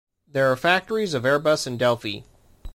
There are factories of Airbus and Delphi.